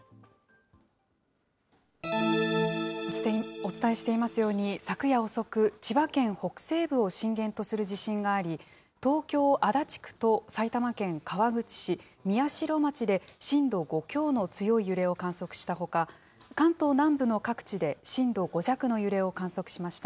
お伝えしていますように、昨夜遅く、千葉県北西部を震源とする地震があり、東京・足立区と埼玉県川口市、宮代町で震度５強の強い揺れを観測したほか、関東南部の各地で震度５弱の揺れを観測しました。